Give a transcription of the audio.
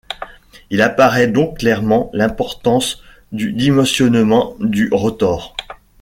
Il apparaît donc clairement l’importance du dimensionnement du rotor.